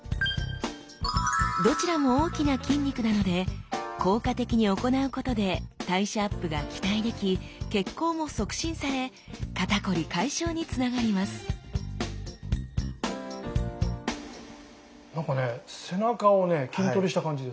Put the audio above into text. どちらも大きな筋肉なので効果的に行うことで代謝アップが期待でき血行も促進され肩こり解消につながりますなんかね